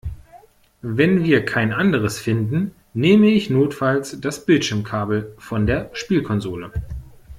Wenn wir kein anderes finden, nehme ich notfalls das Bildschirmkabel von der Spielkonsole.